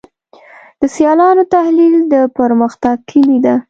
د سیالانو تحلیل د پرمختګ کلي ده.